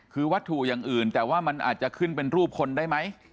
คือวัตถุอย่างอื่นแต่ว่ามันอาจจะขึ้นเป็นรูปคนได้ไหม